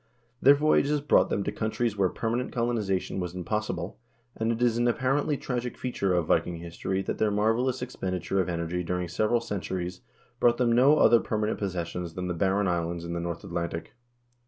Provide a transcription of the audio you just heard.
Their voyages brought them to countries where permanent colonization was impossible, and it is an apparently tragic feature of Viking history that their marvelous expenditure of energy during several centuries brought them no other permanent possessions than the barren islands in the North Atlantic.